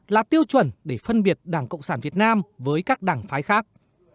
là tiêu chuẩn để phân biệt đảng cộng sản việt nam với các đảng phái khác